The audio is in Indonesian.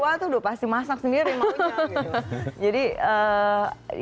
tua tua itu sudah pasti masak sendiri maunya gitu